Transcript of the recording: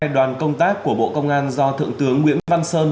hai đoàn công tác của bộ công an do thượng tướng nguyễn văn sơn